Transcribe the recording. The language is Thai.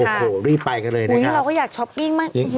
โอ้โหรีบไปกันเลยนะเราก็อยากช้อปปิ้งมาก